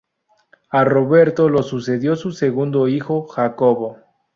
A Roberto lo sucedió su segundo hijo Jacobo.